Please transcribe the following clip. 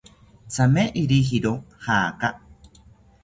Thame iwijiro jaaka